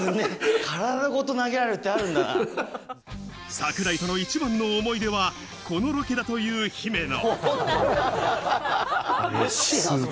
櫻井との一番の思い出はこのロケだという姫野。